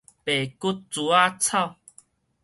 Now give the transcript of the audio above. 白骨珠仔草